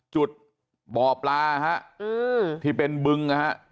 จุดป่อปลาฮะอืมที่เป็นบึงฮะ